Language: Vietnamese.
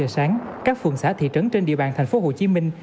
từ giờ sáng các phường xã thị trấn trên địa bàn thành phố hồ chí minh